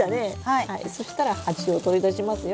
そしたら鉢を取り出しますよ。